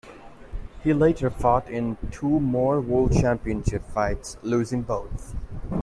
He later fought in two more world championship fights, losing both.